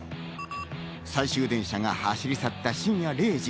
最終電車が走り去った深夜０時。